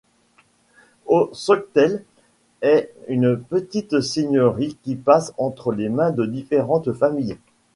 Au Stockel est une petite seigneurie qui passe entre les mains de différentes familles.